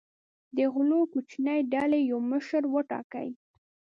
د غلو کوچنۍ ډلې یو مشر وټاکي.